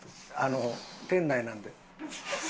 店内なんで。